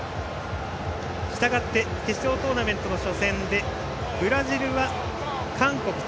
したがって決勝トーナメントの初戦でブラジルは韓国と。